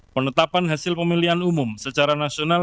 penetapan hasil pemilihan umum secara nasional